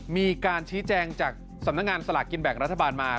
มีการชี้แจงจากสำนักงานสลากกินแบ่งรัฐบาลมา